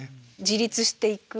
自立していく。